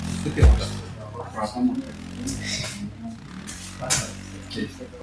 Գազերի և հեղուկների խտությունը չափելու համար օգտագործում են խտաչափեր։